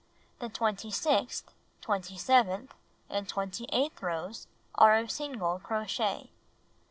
The twenty sixth, twenty seventh and twenty eighth rows are of single crochet.